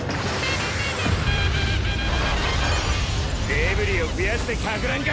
デブリを増やしてかく乱か？